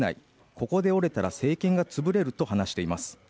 ここで折れたら政権が潰れると話しています